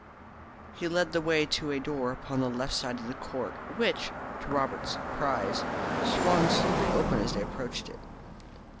He led the way to a door upon the left side of the court, which, to Robert's surprise, swung slowly open as they approached it.